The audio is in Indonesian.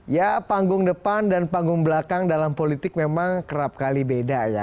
ya panggung depan dan panggung belakang dalam politik memang kerap kali beda ya